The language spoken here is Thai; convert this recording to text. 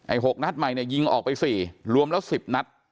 ๖นัดใหม่เนี่ยยิงออกไป๔รวมแล้ว๑๐นัด